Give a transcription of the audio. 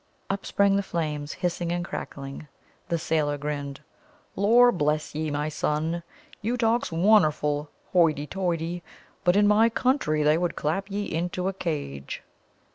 Up sprang the flames, hissing and crackling. The sailor grinned. "Lor' bless ye, my son; you talks wonnerful hoity toity; but in my country they would clap ye into a cage."